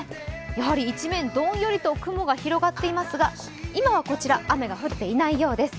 やはり一面どんよりと雲が広がっておりますが、今はこちら、雨が降っていないようです。